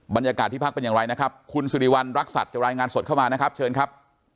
บรรยากาศที่พักเป็นอย่างไรนะครับคุณสิริวัณรักษัตริย์จะรายงานสดเข้ามานะครับเชิญครับ